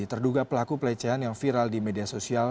terduga pelaku pelecehan yang viral di media sosial